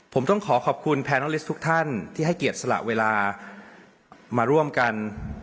ผมต้องขอขอบคุณแพรน้องลิสทุกท่านที่ให้เกียรติสละเวลามาร่วมกัน